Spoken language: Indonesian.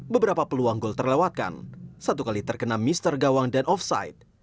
beberapa peluang gol terlewatkan satu kali terkena mr gawang dan offside